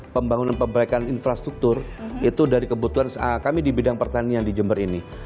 pembangunan perbaikan infrastruktur itu dari kebutuhan kami di bidang pertanian di jember ini